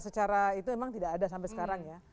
secara itu memang tidak ada sampai sekarang ya